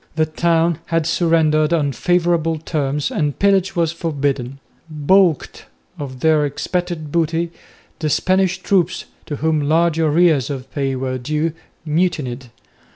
The town had surrendered on favourable terms and pillage was forbidden. Baulked of their expected booty, the Spanish troops, to whom large arrears of pay were due, mutinied.